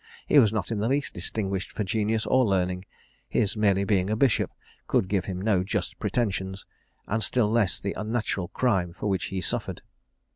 He was not in the least distinguished for genius or learning; his merely being a bishop could give him no just pretensions, and still less the unnatural crime for which he suffered.